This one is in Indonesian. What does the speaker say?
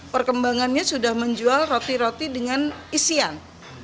perkembangannya sudah menjual roti roti dengan isian